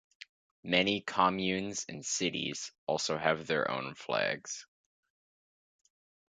Many communes and cities also have their own flags.